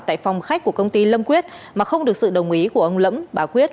tại phòng khách của công ty lâm quyết mà không được sự đồng ý của ông lẫm bà quyết